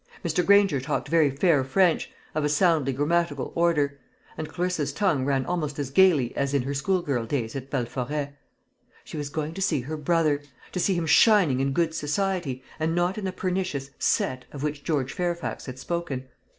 Mr. Granger talked very fair French, of a soundly grammatical order; and Clarissa's tongue ran almost as gaily as in her schoolgirl days at Belforêt. She was going to see her brother to see him shining in good society, and not in the pernicious "set" of which George Fairfax had spoken.